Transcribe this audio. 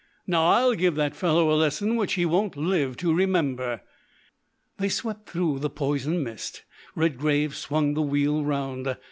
Now I'll give that fellow a lesson which he won't live to remember." They swept through the poison mist. Redgrave swung the wheel round.